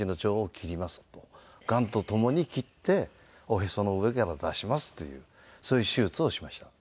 がんとともに切っておへその上から出しますというそういう手術をしました。